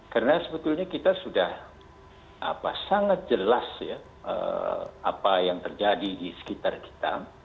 karena sebetulnya kita sudah sangat jelas ya apa yang terjadi di sekitar kita